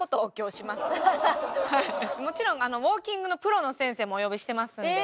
もちろんウォーキングのプロの先生もお呼びしてますので。